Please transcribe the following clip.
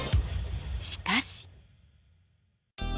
しかし。